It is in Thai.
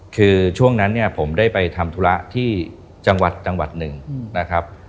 คือช่วงนั้นเนี่ยผมได้ไปทำธุระที่จังหวัดหนึ่งนะครับ